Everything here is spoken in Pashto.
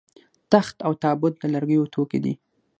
تخت او تابوت د لرګیو توکي دي